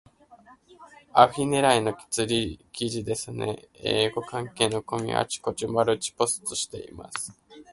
アフィ狙いの釣り記事ですね。英語関係のコミュのあちこちにマルチポストしています。